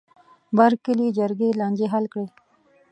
بر کلي جرګې لانجې حل کړې.